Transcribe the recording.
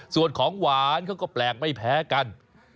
ส่วนของหวานเขาก็แปลกไม่แพ้กัน